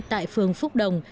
tại phường phúc đồng